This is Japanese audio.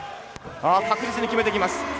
確実に決めてきます。